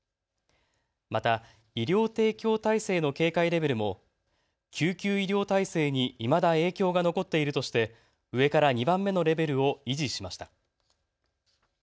また医療提供体制の警戒レベルも救急医療体制にいまだ影響が残っているとして上から２番目のレベルを維持しました。